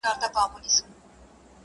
هغه چي ټوله ژوند کي چوپه خوله پاته دی_